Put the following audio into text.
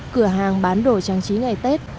cửa hàng bán đồ trang trí ngày tết